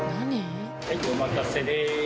はいお待たせでーす。